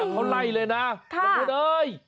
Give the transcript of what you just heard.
เขาไล่เลยนะละมุดเอ๊ย